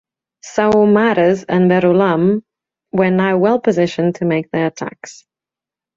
"Saumarez" and "Verulam" were now well positioned to make their attacks.